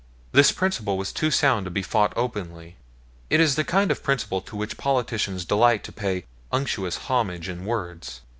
This principle was too sound to be fought openly. It is the kind of principle to which politicians delight to pay unctuous homage in words.